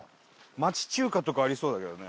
町中華とかありそうだけどね。